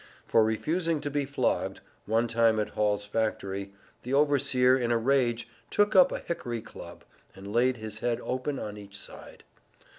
For refusing to be flogged, one time at Hall's Factory, the overseer, in a rage, "took up a hickory club" and laid his head "open on each side."